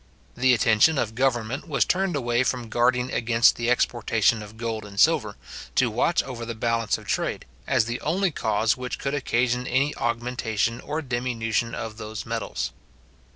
The attention of government was turned away from guarding against the exportation of gold and silver, to watch over the balance of trade, as the only cause which could occasion any augmentation or diminution of those metals.